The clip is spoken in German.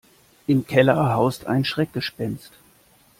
Im Keller haust ein Schreckgespenst.